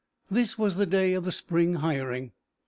This was the day of the spring hiring.